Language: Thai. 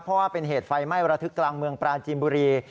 เพราะว่าเป็นเหตุไฟไหม้เมืองปลาจีนบุรี